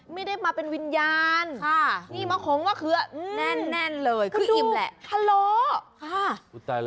ไม่ได้มาเป็นวิญญาณนี่มะหงมะเขือแน่นเลยคืออิ่มแหละพะโลค่ะ